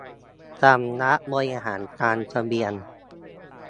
สำนักบริหารการทะเบียน